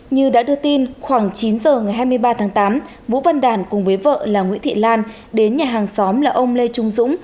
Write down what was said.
như đã đưa tin khoảng chín giờ ngày hai mươi ba tháng tám vũ văn đàn cùng với vợ là nguyễn thị lan đến nhà hàng xóm là ông lê trung dũng